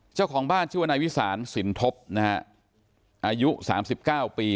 เจ้าของบ้านชื่อว่านายวิสานสินทบนะฮะอายุ๓๙ปี